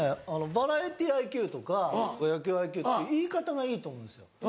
バラエティーＩＱとか野球ＩＱっていう言い方がいいと思うんです。